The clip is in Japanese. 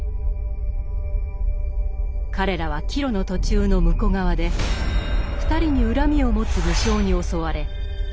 彼らは帰路の途中の武庫川で２人に恨みを持つ武将に襲われ一族